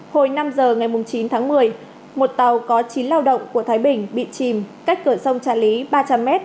hồi năm giờ ngày chín tháng một mươi một tàu có chín lao động của thái bình bị chìm cách cửa sông trà lý ba trăm linh m